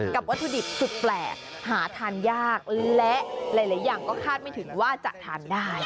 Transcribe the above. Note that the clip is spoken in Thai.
วัตถุดิบสุดแปลกหาทานยากและหลายอย่างก็คาดไม่ถึงว่าจะทานได้